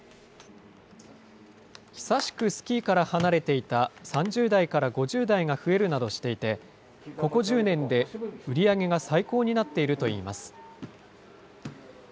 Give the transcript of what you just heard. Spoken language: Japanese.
久しくスキーから離れていた３０代から５０代が増えるなどしていて、ここ１０年で売り上げが最高になっているといいます。